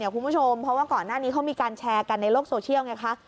คุณผู้ชมเพราะว่าก่อนหน้านี้เขามีการแชร์กันในโลกโซเชียลไงคะ